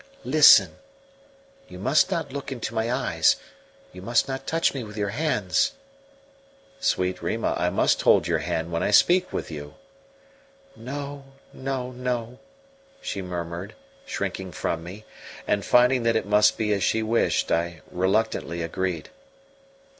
"Listen! You must not look into my eyes, you must not touch me with your hands." "Sweet Rima, I must hold your hand when I speak with you." "No, no, no," she murmured, shrinking from me; and finding that it must be as she wished, I reluctantly agreed.